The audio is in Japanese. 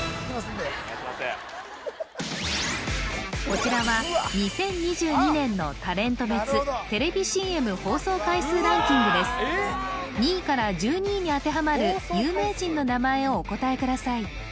こちらは２０２２年のタレント別テレビＣＭ放送回数ランキングです２位から１２位に当てはまる有名人の名前をお答えください